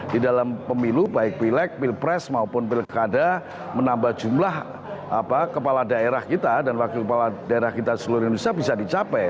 di dalam pemilu baik pilek pilpres maupun pilkada menambah jumlah kepala daerah kita dan wakil kepala daerah kita seluruh indonesia bisa dicapai